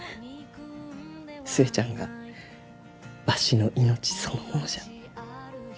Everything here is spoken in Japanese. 寿恵ちゃんがわしの命そのものじゃ。